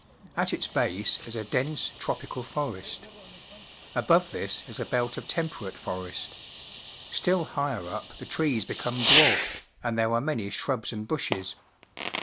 At its ba.se is a dense, tropical forest. Above this is a belt of temperate forest. Still higher up the trees become dwarfed, and there are many shrubs and bushes.